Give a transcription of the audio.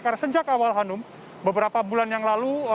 karena sejak awal hanum beberapa bulan yang lalu